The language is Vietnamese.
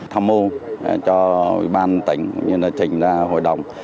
tham mưu cho bàn tỉnh tỉnh ra hội đồng